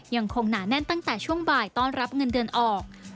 หนาแน่นตั้งแต่ช่วงบ่ายต้อนรับเงินเดือนออก